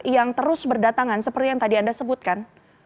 yang terus berdatangan seperti yang tadi anda sebutkan